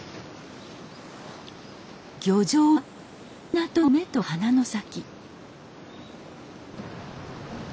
漁場は港の目と鼻の先。